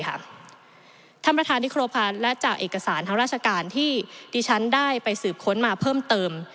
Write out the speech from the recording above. ท่านประธานที่ครบค่ะและจากเอกสารทางราชการที่ดิฉันได้ไปสืบค้นมาเพิ่มเติม